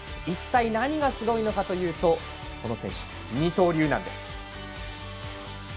一体何がすごいのかというとこの選手、二刀流なんです。